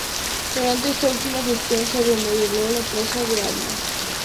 Durante esta última gestión se remodeló la Plaza de Armas.